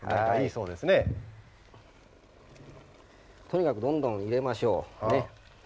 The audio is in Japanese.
とにかくどんどん入れましょうねっ。